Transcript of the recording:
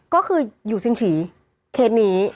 ก็คืออยู่สินฉีตนี้